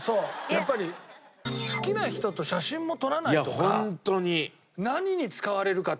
やっぱり好きな人と写真も撮らないとか何に使われるかって。